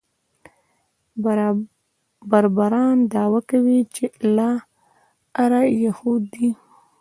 بربران دعوه کوي چې له آره یهود دي.